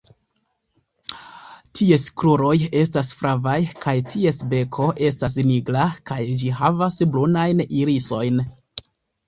Ties kruroj estas flavaj, kaj ties beko estas nigra, kaj ĝi havas brunajn irisojn.